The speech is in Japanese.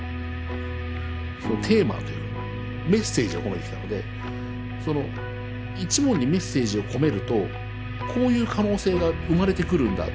そのテーマというかメッセージを込めてきたのでその一問にメッセージを込めるとこういう可能性が生まれてくるんだ。